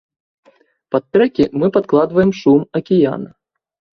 Пад трэкі мы падкладваем шум акіяна.